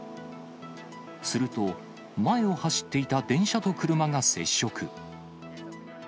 すると、前を走っていた電車と車が接触。